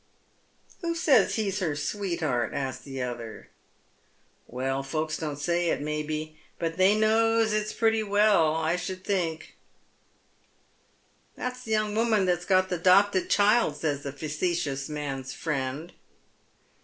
" Who says he's her sweetheart ?" asks the other. " Well, folks don't say it, may be, but they knows it prettv veil. I should thin^" 850 Dead MerHs Shoes. " That's the young woman that's got the 'dopted child," sayt the facetious man's fiiend.